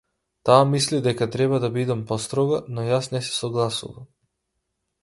Таа мисли дека треба да бидам построга, но јас не се согласувам.